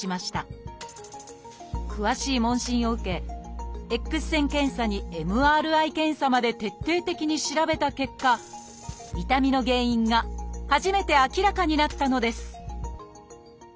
詳しい問診を受けＸ線検査にＭＲＩ検査まで徹底的に調べた結果痛みの原因が初めて明らかになったのです